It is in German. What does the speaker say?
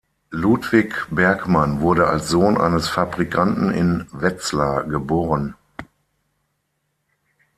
Ludwig Bergmann wurde als Sohn eines Fabrikanten in Wetzlar geboren.